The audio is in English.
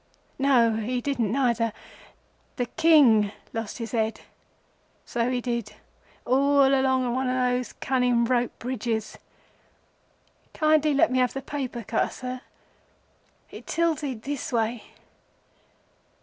No, he didn't neither. The King lost his head, so he did, all along o' one of those cunning rope bridges. Kindly let me have the paper cutter, Sir. It tilted this way.